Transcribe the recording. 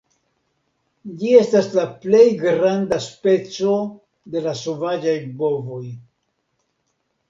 Ĝi estas la plej granda speco de la sovaĝaj bovoj.